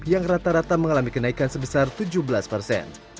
yang rata rata mengalami kenaikan sebesar tujuh belas persen